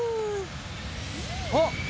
あっ！